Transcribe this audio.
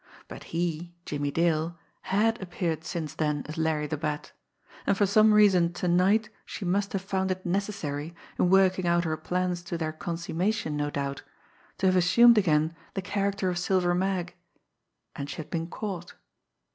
But he, Jimmie Dale, had appeared since then as Larry the Bat and for some reason to night she must have found it necessary, in working out her plans to their consummation no doubt, to have assumed again the character of Silver Mag and she had been caught!